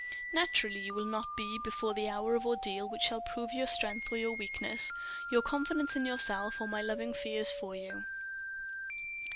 "Naturally; you will not be before the hour of ordeal which shall prove your strength or your weakness, your confidence in yourself, or my loving fears for you."